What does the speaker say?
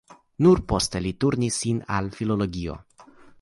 Nur poste li turnis sin al filologio.